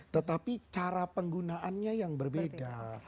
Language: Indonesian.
tetapi cara penggunaannya yang berbeda